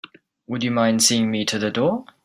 Would you mind seeing me to the door?